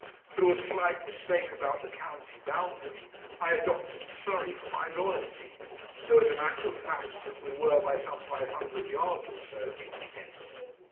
Through a slight mistake about the county boundary I adopted Surrey for my loyalty, though as a matter of fact we were by some five hundred yards or so in Kent.